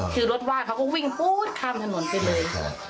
คือรถว่างเขาก็วิ่งปู๊ดข้ามถนนไปเลยค่ะ